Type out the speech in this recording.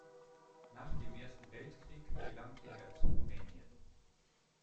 Nach dem Ersten Weltkrieg gelangte er zu Rumänien.